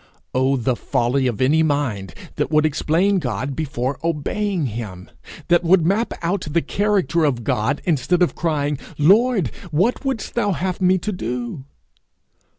Oh the folly of any mind that would explain God before obeying him! that would map out the character of God, instead of crying, Lord, what wouldst thou have me to do?